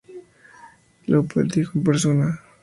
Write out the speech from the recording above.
Lauper lo dijo en persona.